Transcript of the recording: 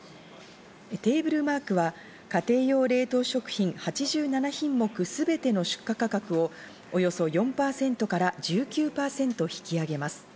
テーブルマークは家庭用冷凍食品８７品目すべての出荷価格をおよそ４％から１９％引き上げます。